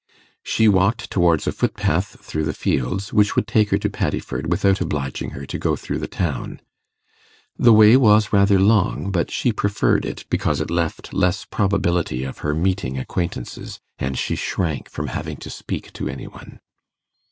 She walked towards a footpath through the fields, which would take her to Paddiford without obliging her to go through the town. The way was rather long, but she preferred it, because it left less probability of her meeting acquaintances, and she shrank from having to speak to any one.